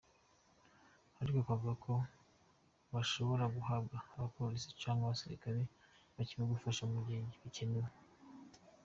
Ariko akavuga ko bashobora guhabwa abapolisi canke abasirikare bake bo kubafasha mu gihe bikenewe.